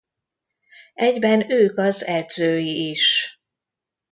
Egyben ők az edzői is.